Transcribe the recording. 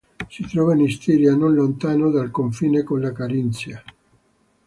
Si trova in Stiria non lontano dal confine con la Carinzia.